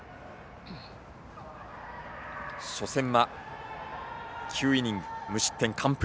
初戦は、９イニング無失点完封。